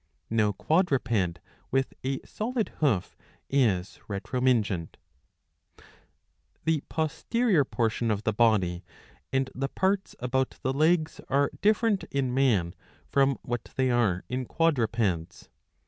^^ No quadruped with a solid hoof is retromingent. The posterior portion of the body and the parts about the legs are different in man from what they are in quadrupeds.